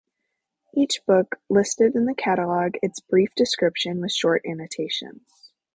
Each book listed in the catalog is briefly described with short annotations.